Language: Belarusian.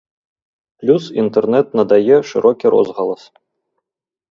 Плюс інтэрнэт надае шырокі розгалас.